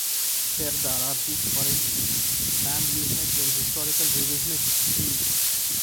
Serdar Argic, for instance, spammed Usenet with historical revisionist screeds.